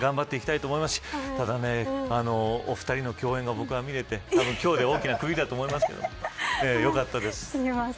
ただ、お二人の共演、僕は見て今日で大きな区切りだと思いますけど、よかったです。